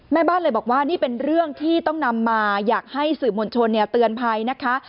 แม่บ้านเลยบอกว่านี่เป็นเรื่องที่ต้องนำมาอยากให้สื่อมวลชนเตือนภัยนะคะ